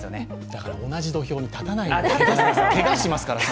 だから同じ土俵に立たないでくださいと、けがしますから。